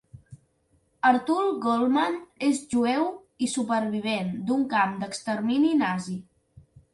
Arthur Goldman és jueu i supervivent d'un camp d'extermini nazi.